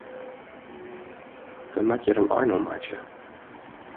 Wy moatte hjir in ein oan meitsje.